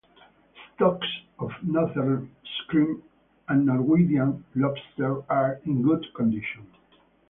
Stocks of northern shrimp and Norwegian lobster are in good condition.